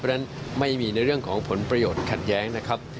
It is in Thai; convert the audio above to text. เพราะฉะนั้นไม่มีในเรื่องของผลประโยชน์ขัดแย้งนะครับ